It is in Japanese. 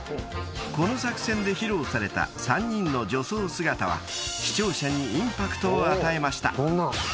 ［この作戦で披露された３人の女装姿は視聴者にインパクトを与えました］